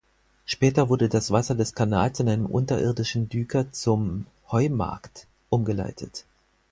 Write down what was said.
Später wurde das Wasser des Kanals in einem unterirdischen Düker zum "Heumarkt" umgeleitet.